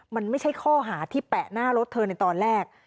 มันไม่ใช่ข้อหาที่แปะหน้ารถเธอในตอนแรก